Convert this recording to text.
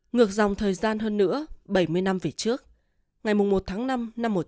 ngược dòng thời gian hơn nữa bảy mươi năm về trước ngày một tháng năm năm một nghìn chín trăm bốn mươi năm